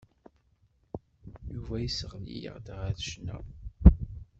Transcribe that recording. Yuba yesseɣli-aɣ-d ar ccna.